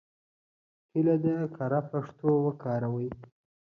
هیله ده کره پښتو وکاروئ.